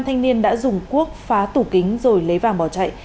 thanh niên đã dùng cuốc phá tủ kính rồi lấy vàng bỏ chạy